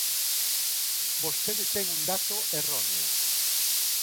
Vostede ten un dato erróneo.